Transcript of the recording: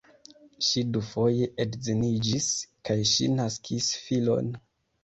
Ŝi dufoje edziniĝis kaj ŝi naskis filon.